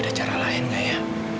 ada cara lain nggak ya